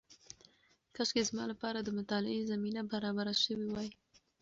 کاشکې زما لپاره د مطالعې زمینه برابره شوې وای.